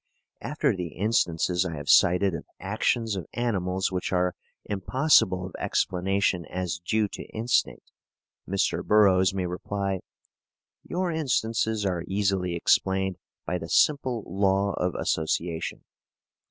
After the instances I have cited of actions of animals which are impossible of explanation as due to instinct, Mr. Burroughs may reply: "Your instances are easily explained by the simple law of association."